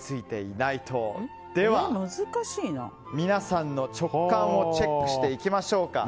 皆さんの直感をチェックしていきましょうか。